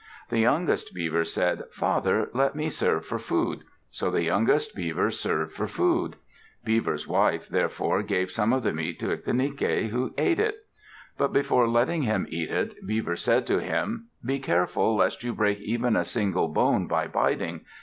The youngest Beaver said, "Father, let me serve for food." So the youngest Beaver served for food. Beaver's wife therefore gave some of the meat to Ictinike, who ate it. But before letting him eat it, Beaver said to him, "Be careful lest you break even a single bone by biting!